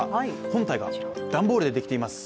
本体が段ボールでできています。